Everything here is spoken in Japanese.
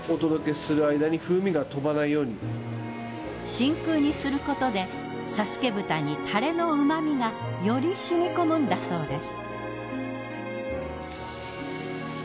真空にすることで佐助豚にタレの旨みがより染み込むんだそうです。